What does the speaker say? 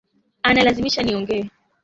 Ananilazimisha niongee